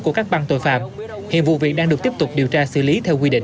của các băng tội phạm hiện vụ việc đang được tiếp tục điều tra xử lý theo quy định